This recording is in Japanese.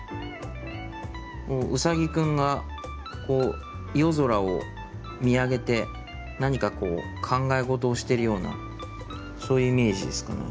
ウサギくんがこう夜空を見上げて何かこう考え事をしてるようなそういうイメージですかね。